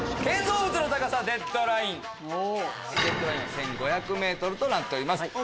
デッドラインは１５００ｍとなってます。